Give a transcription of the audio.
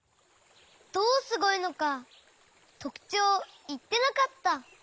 どうすごいのかとくちょうをいってなかった。